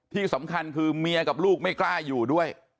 ที่สำคัญคือเมียกับลูกไม่กล้าอยู่ด้วย